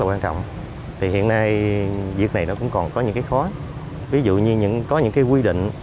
quan trọng thì hiện nay việc này nó cũng còn có những cái khó ví dụ như có những cái quy định